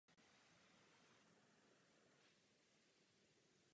Někdy se také hraje jedna z jeho posledních oper "Guillaume Tell".